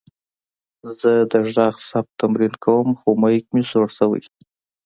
زه د غږ ثبت تمرین کوم، خو میک مې زوړ شوې.